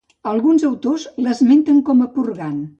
Alguns autors l'esmenten com a purgant.